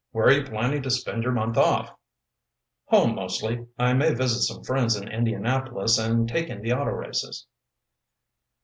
"Where are you planning to spend your month off?" "Home mostly. I may visit some friends in Indianapolis and take in the auto races."